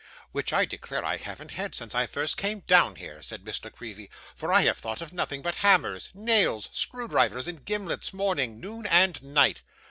'Which I declare I haven't had since I first came down here,' said Miss La Creevy; 'for I have thought of nothing but hammers, nails, screwdrivers, and gimlets, morning, noon, and night.